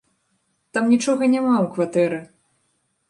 Там нічога няма ў кватэры!